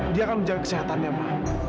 dia akan menjaga kesehatannya mah